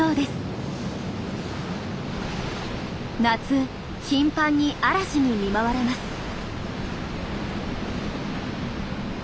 夏頻繁に嵐に見舞われます。